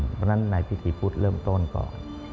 เพราะฉะนั้นในพิธีพุทธเริ่มต้นก่อน